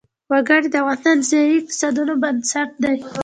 وګړي د افغانستان د ځایي اقتصادونو بنسټ دی.